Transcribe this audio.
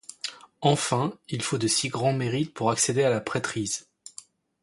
Enfin : il faut de si grands mérites pour accéder à la prêtrise.